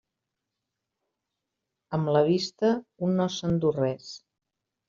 Amb la vista, un no se'n du res.